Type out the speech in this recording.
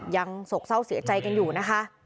โศกเศร้าเสียใจกันอยู่นะคะ